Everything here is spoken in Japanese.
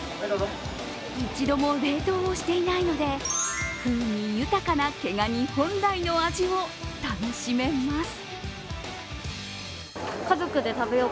一度も冷凍をしていないので風味豊かな毛ガニ本来の味を楽しめます。